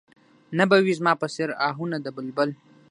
نه به وي زما په څېر اهونه د بلبل